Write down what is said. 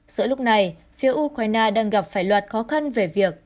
giữa lúc này phía ukraine đang gặp phải loạt khó khăn về việc